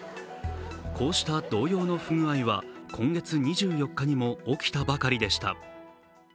こうした同様の不具合は今月２４日にも起きたばかりでした。